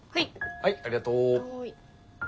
はいありがとう。